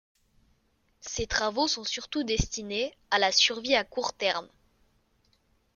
Ces travaux sont surtout destinés à la survie à court terme.